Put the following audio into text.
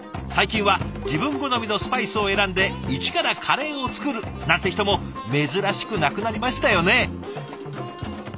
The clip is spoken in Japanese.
最近は自分好みのスパイスを選んで一からカレーを作るなんて人も珍しくなくなりましたよね。